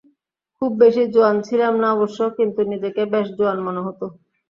খুব বেশি জোয়ান ছিলাম না অবশ্য কিন্ত নিজেকে বেশ জোয়ান মনে হতো।